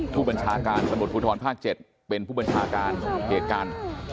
ผู้บัญชาการตำรวจภูทรภาค๗เป็นผู้บัญชาการเหตุการณ์